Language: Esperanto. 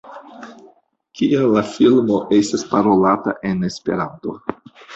Kial la filmo estas parolata en Esperanto?